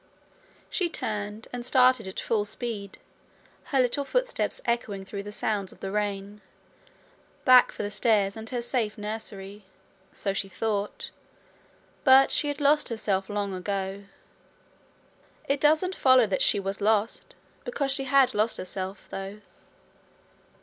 She turned and started at full speed, her little footsteps echoing through the sounds of the rain back for the stairs and her safe nursery. So she thought, but she had lost herself long ago. It doesn't follow that she was lost, because she had lost herself, though.